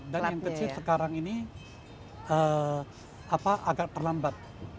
dan yang kecil sekarang ini agak terlambat